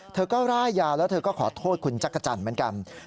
เธอก็ร่ายยาวแล้วเธอก็ขอโทษคุณจักรจันทร์เหมือนกัน